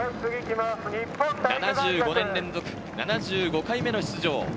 ７５年連続７５回目の出場。